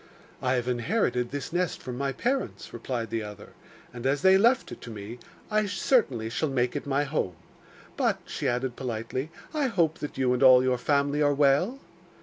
'I have inherited this nest from my parents,' replied the other, 'and as they left it to me I certainly shall make it my home. But,' she added politely, 'I hope that you and all your family are well?